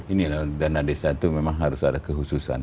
ini loh dana desa itu memang harus ada kehususan